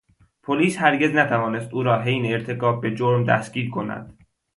پلیس هرگز نتوانست او را در حین ارتکاب به جرم دستگیر کند.